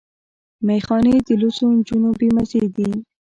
ميخانې د لوڅو جونو بې مزې دي